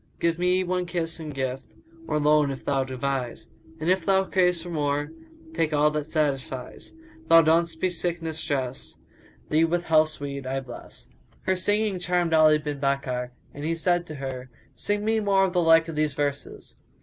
Give me one kiss in gift * Or loan, if thou devise: And if thou crave for more * Take all that satisfies.[FN#179] Thou donn'st me sickness dress * Thee with health's weed I bless." Her singing charmed Ali bin Bakkar, and he said to her, "Sing me more of the like of these verses."